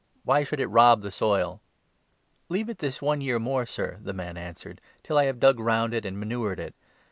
Why should it rob the soil ?' 'Leave it this one year more, Sir,' the man answered, 'till 8 I have dug round it and manured it.